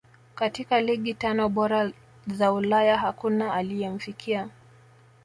katika ligi tano bora za ulaya hakuna aliyemfikia